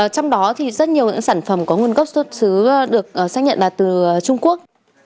trong đó thì rất nhiều những sản phẩm có nguồn gốc xuất xứ được xác nhận là từ trung quốc